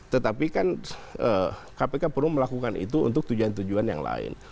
tetapi kan kpk perlu melakukan itu untuk tujuan tujuan yang lain